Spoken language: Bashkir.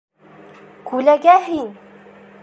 - Күләгә һин!